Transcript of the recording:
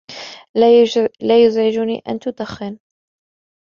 لا يزعجني أن تدخن